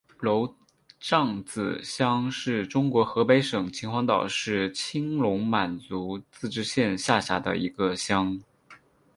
娄杖子乡是中国河北省秦皇岛市青龙满族自治县下辖的一个乡。